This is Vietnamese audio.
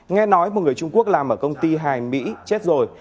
nghe nói một người trung quốc làm ở công ty hài mỹ chết rồi